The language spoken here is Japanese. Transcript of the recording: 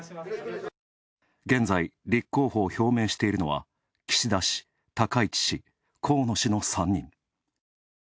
現在、立候補を表明しているのは岸田氏、高市氏、河野氏の３人。